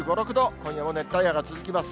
今夜も熱帯夜が続きます。